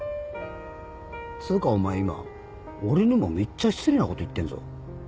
つうかお前今俺にもめっちゃ失礼なこと言ってんぞ。